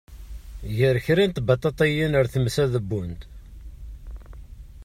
Ger kra n tbaṭaṭayin ar tmes ad d-wwent.